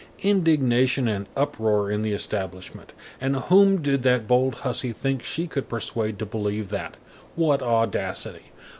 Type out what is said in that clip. Indignation and uproar in the establishment. And whom did that bold hussy think she could persuade to believe that? What audacity!